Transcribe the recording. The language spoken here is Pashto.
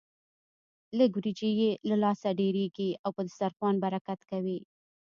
لږ وريجې يې له لاسه ډېرېږي او په دسترخوان برکت کوي.